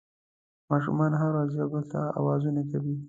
ماشومان هره ورځ یو بل ته اوازونه کوي